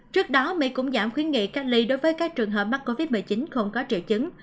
trước đó mỹ cũng giảm khuyến nghị cách ly đối với các trường hợp mắc covid một mươi chín không có triệu chứng